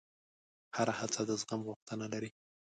هره هڅه د زغم غوښتنه لري.